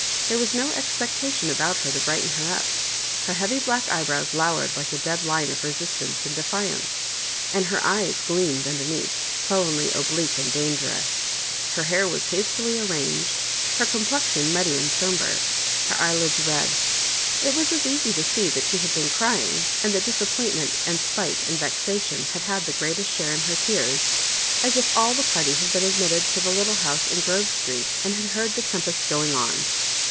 There was no expectation about her to brighten her up. Her heavy black eyebrows lowered like a dead line of resistance and defiance, and her eyes gleamed underneath sullenly oblique and dangerous. Her hair yeas hastily arranged, her complexion muddy and 8ombre,4ier eyelids red. It was as easy to see that she had been cr3ring, and that disappoint ment and spite and vexation had had the great est share in her tears, as if all the party bad been admitted to the little house in Grove Street, and had heard the tempest going on.